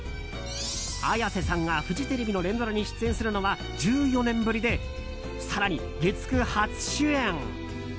綾瀬さんがフジテレビの連ドラに出演するのは１４年ぶりで、更に月９初主演。